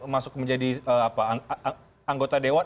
masuk menjadi anggota dewan